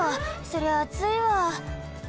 そりゃあついわ。